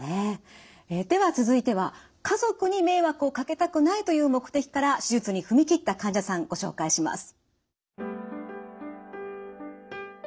では続いては家族に迷惑をかけたくないという目的から手術に踏み切った患者さんご紹介します。